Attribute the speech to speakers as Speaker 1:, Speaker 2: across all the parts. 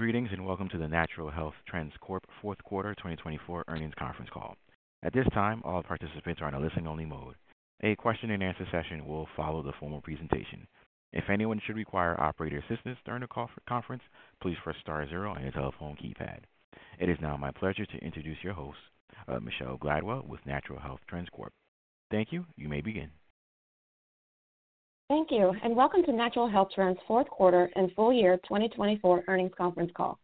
Speaker 1: Greetings and welcome to the Natural Health Trends Corp Fourth Quarter 2024 Earnings Conference Call. At this time, all participants are in a listen-only mode. A question and answer session will follow the formal presentation. If anyone should require operator assistance during the conference, please press star zero on your telephone keypad. It is now my pleasure to introduce your host, Michelle Glidewell, with Natural Health Trends Corp. Thank you. You may begin.
Speaker 2: Thank you, and welcome to Natural Health Trends Fourth Quarter and Full Year 2024 Earnings Conference Call.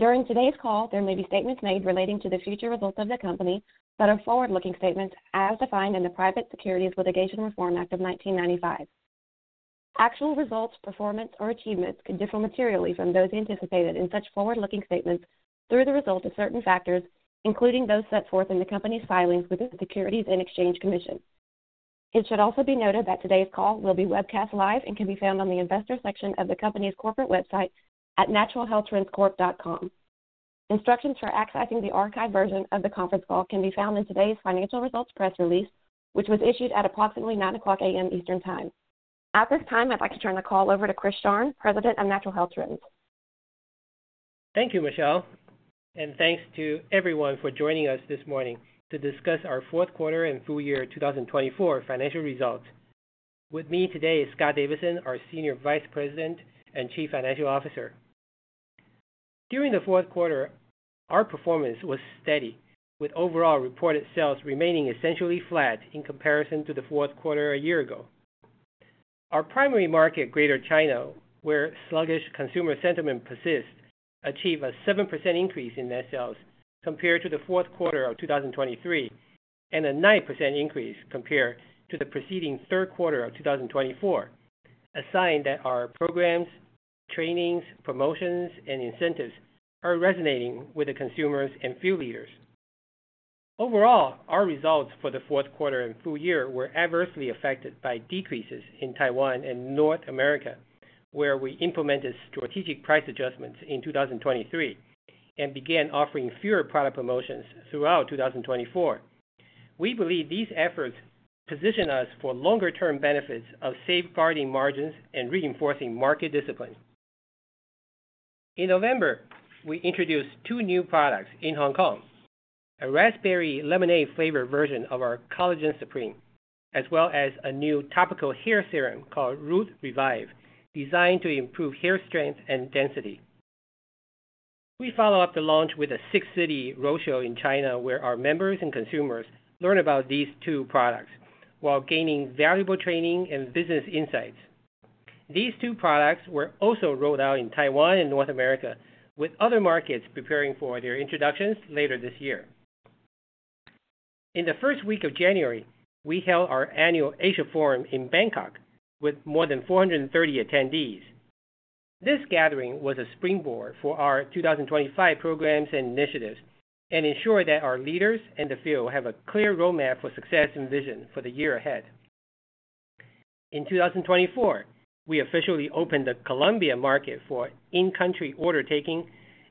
Speaker 2: During today's call, there may be statements made relating to the future results of the company that are forward-looking statements as defined in the Private Securities Litigation Reform Act of 1995. Actual results, performance, or achievements could differ materially from those anticipated in such forward-looking statements through the result of certain factors, including those set forth in the company's filings with the Securities and Exchange Commission. It should also be noted that today's call will be webcast live and can be found on the investor section of the company's corporate website at naturalhealthtrendscorp.com. Instructions for accessing the archived version of the conference call can be found in today's financial results press release, which was issued at approximately 9:00 A.M. Eastern Time. At this time, I'd like to turn the call over to Chris Sharng, President of Natural Health Trends.
Speaker 3: Thank you, Michelle, and thanks to everyone for joining us this morning to discuss our fourth quarter and full year 2024 financial results. With me today is Scott Davidson, our Senior Vice President and Chief Financial Officer. During the fourth quarter, our performance was steady, with overall reported sales remaining essentially flat in comparison to the fourth quarter a year ago. Our primary market, Greater China, where sluggish consumer sentiment persists, achieved a 7% increase in net sales compared to the fourth quarter of 2023 and a 9% increase compared to the preceding third quarter of 2024, a sign that our programs, trainings, promotions, and incentives are resonating with the consumers and field leaders. Overall, our results for the fourth quarter and full year were adversely affected by decreases in Taiwan and North America, where we implemented strategic price adjustments in 2023 and began offering fewer product promotions throughout 2024. We believe these efforts position us for longer-term benefits of safeguarding margins and reinforcing market discipline. In November, we introduced two new products in Hong Kong: a raspberry lemonade-flavored version of our Collagen Supreme, as well as a new topical hair serum called Root Revive, designed to improve hair strength and density. We follow up the launch with a six-city roadshow in China, where our members and consumers learn about these two products while gaining valuable training and business insights. These two products were also rolled out in Taiwan and North America, with other markets preparing for their introductions later this year. In the first week of January, we held our annual Asia Forum in Bangkok with more than 430 attendees. This gathering was a springboard for our 2025 programs and initiatives and ensured that our leaders and the field have a clear roadmap for success and vision for the year ahead. In 2024, we officially opened the Colombia market for in-country order taking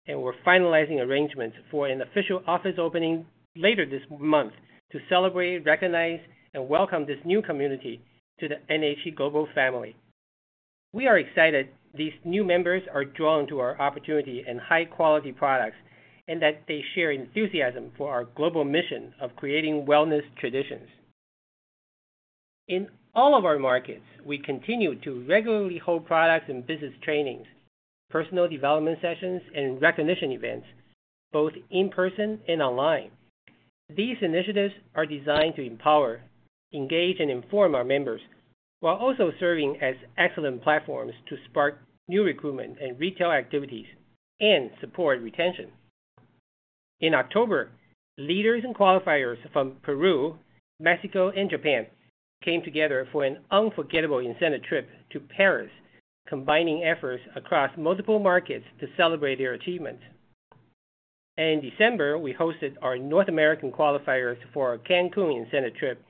Speaker 3: and were finalizing arrangements for an official office opening later this month to celebrate, recognize, and welcome this new community to the NHT Global family. We are excited these new members are drawn to our opportunity and high-quality products and that they share enthusiasm for our global mission of creating wellness traditions. In all of our markets, we continue to regularly hold products and business trainings, personal development sessions, and recognition events, both in person and online. These initiatives are designed to empower, engage, and inform our members, while also serving as excellent platforms to spark new recruitment and retail activities and support retention. In October, leaders and qualifiers from Peru, Mexico, and Japan came together for an unforgettable incentive trip to Paris, combining efforts across multiple markets to celebrate their achievements. In December, we hosted our North American qualifiers for a Cancun incentive trip,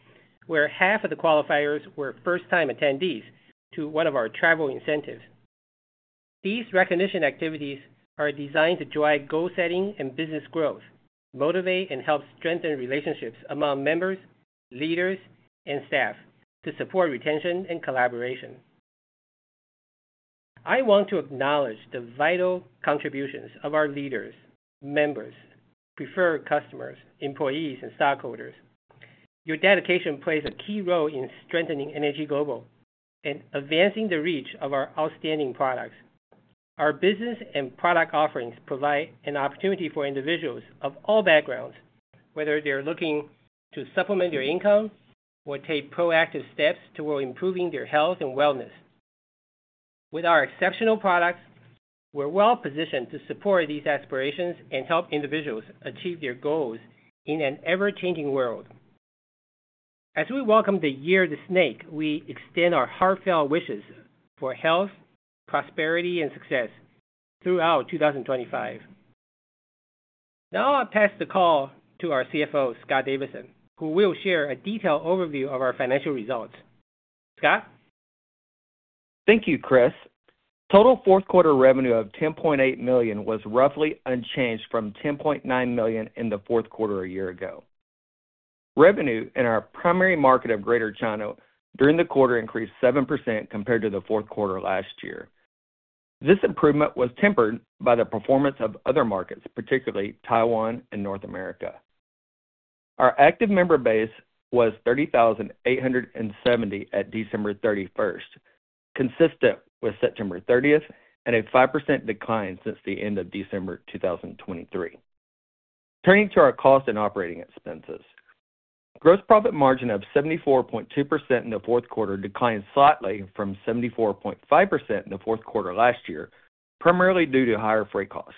Speaker 3: where half of the qualifiers were first-time attendees to one of our travel incentives. These recognition activities are designed to drive goal-setting and business growth, motivate, and help strengthen relationships among members, leaders, and staff to support retention and collaboration. I want to acknowledge the vital contributions of our leaders, members, preferred customers, employees, and stockholders. Your dedication plays a key role in strengthening NHT Global and advancing the reach of our outstanding products. Our business and product offerings provide an opportunity for individuals of all backgrounds, whether they're looking to supplement their income or take proactive steps toward improving their health and wellness. With our exceptional products, we're well-positioned to support these aspirations and help individuals achieve their goals in an ever-changing world. As we welcome the Year of the Snake, we extend our heartfelt wishes for health, prosperity, and success throughout 2025. Now I'll pass the call to our CFO, Scott Davidson, who will share a detailed overview of our financial results. Scott?
Speaker 4: Thank you, Chris. Total fourth quarter revenue of $10.8 million was roughly unchanged from $10.9 million in the fourth quarter a year ago. Revenue in our primary market of Greater China during the quarter increased 7% compared to the fourth quarter last year. This improvement was tempered by the performance of other markets, particularly Taiwan and North America. Our active member base was 30,870 at December 31st, consistent with September 30th, and a 5% decline since the end of December 2023. Turning to our cost and operating expenses, gross profit margin of 74.2% in the fourth quarter declined slightly from 74.5% in the fourth quarter last year, primarily due to higher freight costs.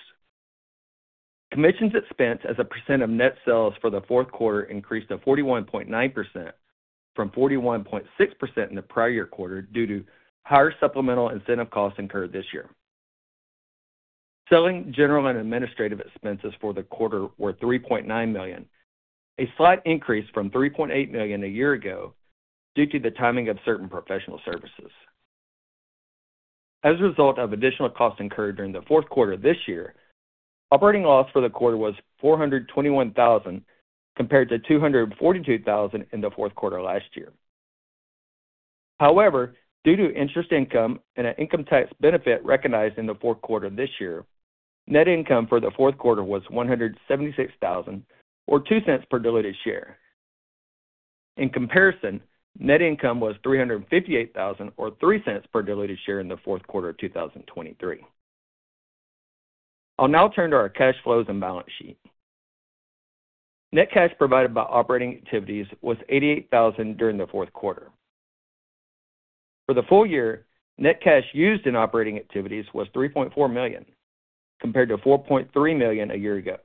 Speaker 4: Commissions expensed as a percent of net sales for the fourth quarter increased to 41.9% from 41.6% in the prior year quarter due to higher supplemental incentive costs incurred this year. Selling general and administrative expenses for the quarter were $3.9 million, a slight increase from $3.8 million a year ago due to the timing of certain professional services. As a result of additional costs incurred during the fourth quarter this year, operating loss for the quarter was $421,000 compared to $242,000 in the fourth quarter last year. However, due to interest income and an income tax benefit recognized in the fourth quarter this year, net income for the fourth quarter was $176,000 or $0.02 per diluted share. In comparison, net income was $358,000 or $0.03 per diluted share in the fourth quarter of 2023. I'll now turn to our cash flows and balance sheet. Net cash provided by operating activities was $88,000 during the fourth quarter. For the full year, net cash used in operating activities was $3.4 million compared to $4.3 million a year ago.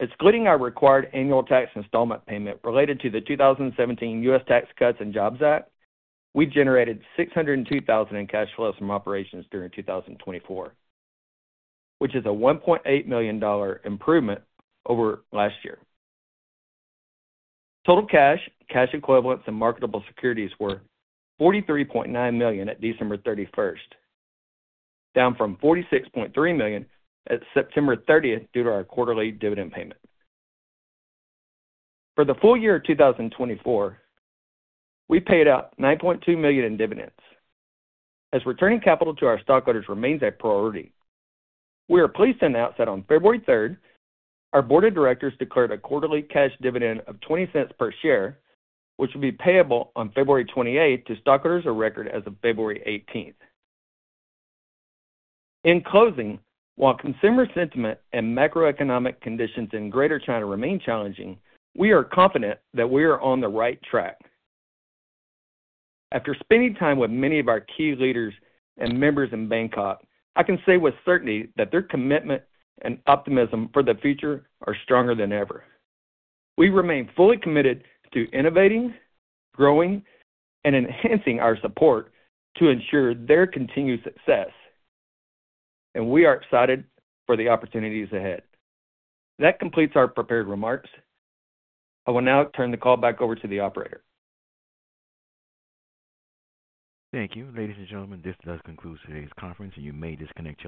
Speaker 4: Excluding our required annual tax installment payment related to the 2017 U.S. Tax Cuts and Jobs Act, we generated $602,000 in cash flows from operations during 2024, which is a $1.8 million improvement over last year. Total cash, cash equivalents, and marketable securities were $43.9 million at December 31st, down from $46.3 million at September 30th due to our quarterly dividend payment. For the full year of 2024, we paid out $9.2 million in dividends. As returning capital to our stockholders remains a priority, we are pleased to announce that on February 3rd, our Board of Directors declared a quarterly cash dividend of $0.20 per share, which will be payable on February 28th to stockholders of record as of February 18th. In closing, while consumer sentiment and macroeconomic conditions in Greater China remain challenging, we are confident that we are on the right track. After spending time with many of our key leaders and members in Bangkok, I can say with certainty that their commitment and optimism for the future are stronger than ever. We remain fully committed to innovating, growing, and enhancing our support to ensure their continued success, and we are excited for the opportunities ahead. That completes our prepared remarks. I will now turn the call back over to the operator.
Speaker 1: Thank you. Ladies and gentlemen, this does conclude today's conference, and you may disconnect.